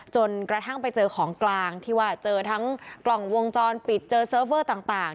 จนกระทั่งไปเจอของกลางที่ว่าเจอทั้งกล่องวงจรปิดเจอเซิร์ฟเวอร์ต่าง